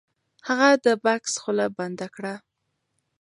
هغه د بکس خوله بنده کړه. .